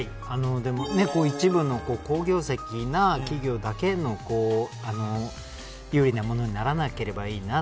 一部の好業績な企業だけの有利なものにならなければいいなと。